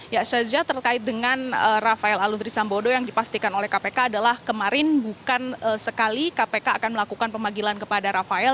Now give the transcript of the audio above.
ya shaza terkait dengan rafael aluntri sambodo yang dipastikan oleh kpk adalah kemarin bukan sekali kpk akan melakukan pemanggilan kepada rafael